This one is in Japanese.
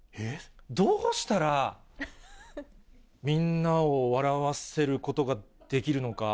どうしたら、みんなを笑わせることができるのか。